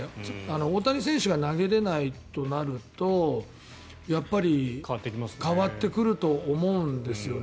大谷選手が投げれないとなるとやっぱり変わってくると思うんですよね。